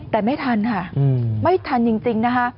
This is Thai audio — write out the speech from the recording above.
แต่ไม่ทันค่ะไม่ทันจริงนะคะ